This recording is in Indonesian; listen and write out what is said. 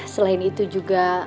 selain itu juga